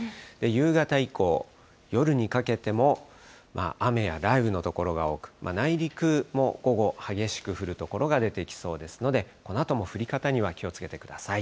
夕方以降、夜にかけても雨や雷雨の所が多く、内陸も午後、激しく降る所が出てきそうですので、このあとも降り方には気をつけてください。